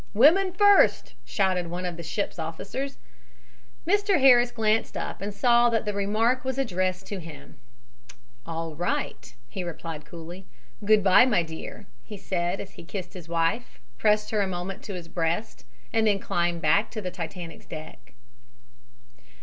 "Women first," shouted one of the ship's officers. Mr. Harris glanced up and saw that the remark was addressed to him. "All right," he replied coolly. "Good bye, my dear," he said, as he kissed his wife, pressed her a moment to his breast, and then climbed back to the Titanic's deck.